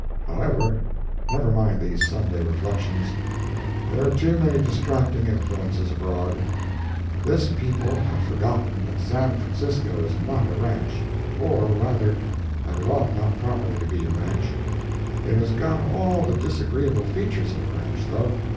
) However, never mind these Sunday reflections—there are too many distracting influences abroad. This people have forgotten that San Francisco is not a ranch—or rather, that it ought not properly to be a ranch. It has got all the disagreeable features of a ranch, though.